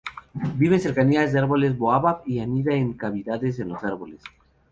Vive en cercanías de árboles Baobab y anida en cavidades en los árboles.